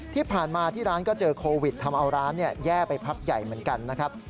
ที่ผ่านมาที่ร้านก็เจอโควิดทำเอาร้านแย่ไปพักใหญ่เหมือนกันนะครับ